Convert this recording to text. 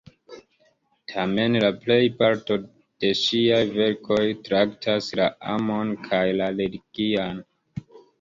Tamen la plejparto de ŝiaj verkoj traktas la amon kaj la religian.